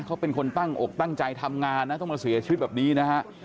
เขาเป็นคนตั้งอกตั้งใจทำงานนะต้องมาเสียชีวิตแบบนี้นะฮะ